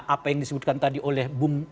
apa yang disebutkan tadi oleh bung